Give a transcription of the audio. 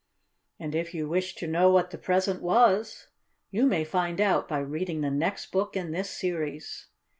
And if you wish to know what the present was you may find out by reading the next book in this series.